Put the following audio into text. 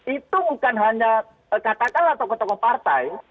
itu bukan hanya katakanlah tokoh tokoh partai